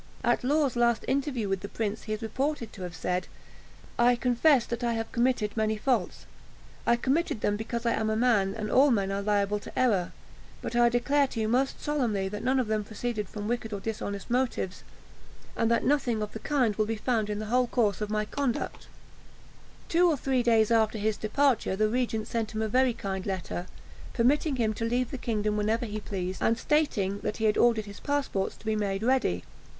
At Law's last interview with the prince, he is reported to have said, "I confess that I have committed many faults. I committed them because I am a man, and all men are liable to error; but I declare to you most solemnly that none of them proceeded from wicked or dishonest motives, and that nothing of the kind will be found in the whole course of my conduct." [Illustration: LAW IN A CAR DRAWN BY COCKS.] Law in a car drawn by cocks; from Het groote Tofereel der Dwaasheid. Two or three days after his departure the regent sent him a very kind letter, permitting him to leave the kingdom whenever he pleased, and stating that he had ordered his passports to be made ready.